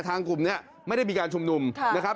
กลุ่มนี้ไม่ได้มีการชุมนุมนะครับ